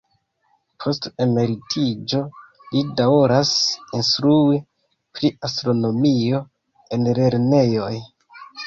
Post emeritiĝo, li daŭras instrui pri astronomio en lernejoj.